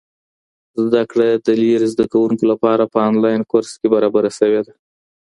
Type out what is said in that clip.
زده کړه د لېرې زده کوونکو لپاره په انلاين کورس کي برابره سوي ده.